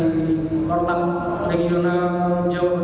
dan mencari pertalit yang berbeda dengan pertalit jawa barat